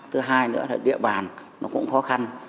thứ hai nữa là địa bàn cũng khó khăn